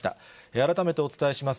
改めてお伝えします。